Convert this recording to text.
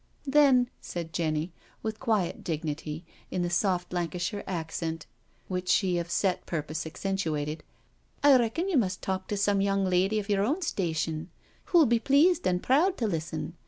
" Then," said Jenny, with quiet dignity, in the soft Lancashire accent which she of set purpose accentu ated, " I reckon you must talk to some young lady of your own station, who'll be pleased and proud to listen.